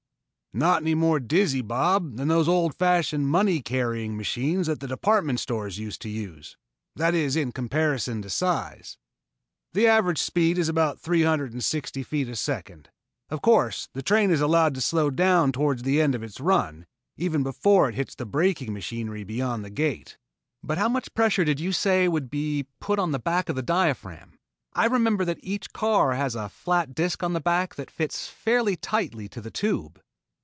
"Not any more dizzy, Bob, than those old fashioned money carrying machines that the department stores used to use that is in comparison to size. The average speed is about 360 feet a second. Of course, the train is allowed to slow down toward the end of its run, even before it hits the braking machinery beyond the gate." "But how much pressure did you say would be put on the back of the diaphragm I remember that each car has a flat disc on the back that fits fairly tightly to the tube